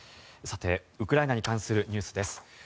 ウクライナに関するニュースです。